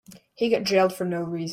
He got jailed for no reason.